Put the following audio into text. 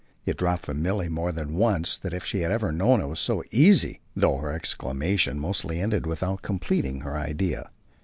It dropped from Milly more than once that if she had ever known it was so easy ! though her exclamation mostly ended without completing her idea.